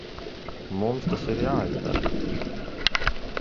Mums tas ir jāizdara.